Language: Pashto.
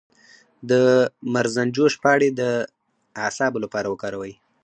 د مرزنجوش پاڼې د اعصابو لپاره وکاروئ